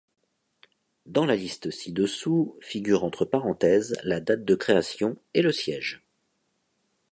Dans la liste ci-dessous figure entre parenthèses la date de création et le siège.